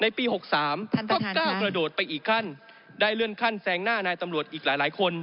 ในปีหกสามท่านประทานค่ะก็ก้าวกระโดดไปอีกขั้นได้เลื่อนขั้นแสงหน้านายตำรวจอีกหลายหลายคน